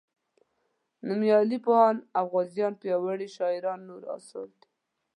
نومیالي پوهان او غازیان پیاوړي شاعران نور اثار دي.